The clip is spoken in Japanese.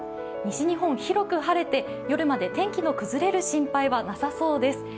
西日本は広く晴れて、夜まで天気が崩れる心配はなさそうです。